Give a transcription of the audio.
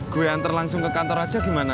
gue antar langsung ke kantor aja gimana